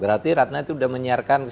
berarti ratna itu sudah menyalahkan ke ibu